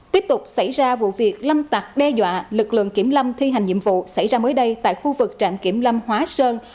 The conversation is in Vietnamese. tiếp tục xảy ra vụ việc lâm tặc đe dọa lực lượng kiểm lâm thi hành nhiệm vụ xảy ra mới đây tại khu vực trạm kiểm lâm hóa sơn